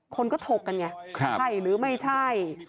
คนก็ถกกันไงใช่หรือไม่ใช่